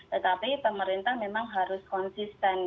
tetapi pemerintah memang harus konsisten